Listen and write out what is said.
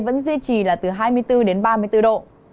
vẫn duy trì là từ hai mươi bốn đến ba mươi bốn độ